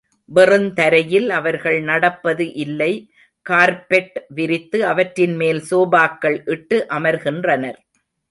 வெறுந்தரையில் அவர்கள் நடப்பது இல்லை கார்ப்பெட் விரித்து அவற்றின் மேல் சோபாக்கள் இட்டு அமர்கின்றனர்.